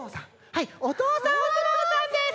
はいおとうさんおすもうさんです。